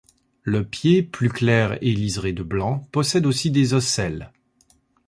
Le pied, plus clair et liseré de blanc, possède aussi des ocelles.